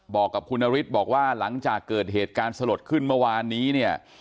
บอกกับคุณนฤทธิ์บอกว่าหลังจากเกิดเหตุการณ์สลดขึ้นเมื่อวานนี้เนี่ย